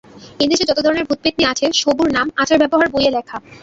এ-দেশে যত ধরনের ভূত-পেত্নী আছে সবুর নাম, আচার-ব্যবহার বইয়ে লেখা।